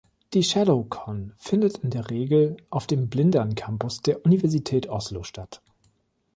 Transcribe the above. Die ShadowCon findet in der Regel auf dem „Blindern“-Campus der Universität Oslo statt.